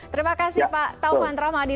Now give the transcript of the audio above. terima kasih pak taufan romadi